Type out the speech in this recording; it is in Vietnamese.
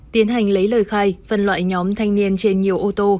tiến hành lấy lời khai phân loại nhóm thanh niên trên nhiều ô tô